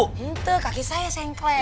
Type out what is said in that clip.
tentu kaki saya sengklek